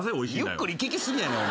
ゆっくり聞きすぎやねん。